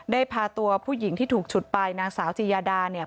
ได้พาตัวผู้หญิงที่ถูกฉุดไปนางสาวจียาดาเนี่ย